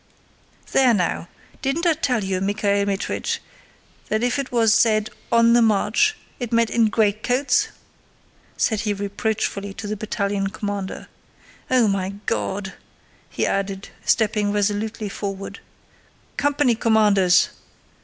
"There now! Didn't I tell you, Michael Mítrich, that if it was said 'on the march' it meant in greatcoats?" said he reproachfully to the battalion commander. "Oh, my God!" he added, stepping resolutely forward. "Company commanders!"